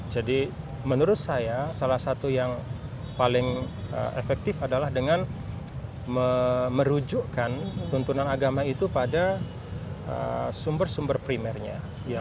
jadi menurut saya salah satu yang paling efektif adalah dengan merujukkan tuntunan agama itu pada sumber sumber primernya